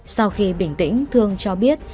sau khi bình tĩnh thương cho biết